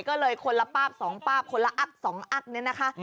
ก็เลยคนละป้าบ๒ป้าบคนละอัก๒อักเนี่ยนะคะ